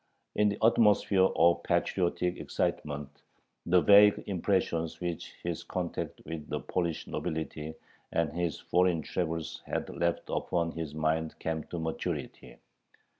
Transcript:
In the atmosphere of patriotic excitement, the vague impressions which his contact with the Polish nobility and his foreign travels had left upon his mind came to maturity.